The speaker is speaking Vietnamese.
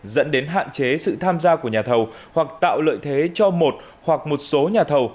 dẫn đến hạn chế sự tham gia của nhà thầu hoặc tạo lợi thế cho một hoặc một số nhà thầu